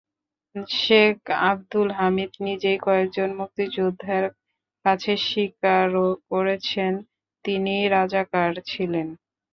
শেখ আবদুল হামিদ নিজেই কয়েকজন মুক্তিযোদ্ধার কাছে স্বীকারও করেছেন, তিনি রাজাকার ছিলেন।